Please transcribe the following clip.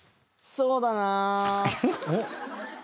そうだな。